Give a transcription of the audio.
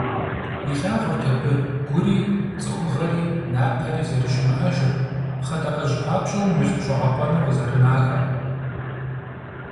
Илъагъурт абы Гури, ЦӀыхугъэри, Напэри зэрыщымыӀэжыр, пхъэдакъэжь папщӀэу мылъкущӀэгъэкъуэну къызэрынахэр.